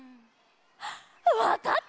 わかった！